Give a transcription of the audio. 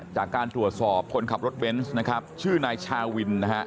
จากการตรวจสอบคนขับรถเบนซชื่อนายชาวิน